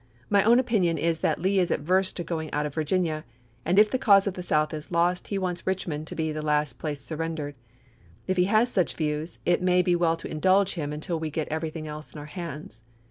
My own opinion is that Lee pa?8e!' is averse to going out of Virginia; and if the cause of the South is lost he wants Eichmond to be the last place surrendered. If he has such views, it may be well to indulge him until we get everything else in our hands."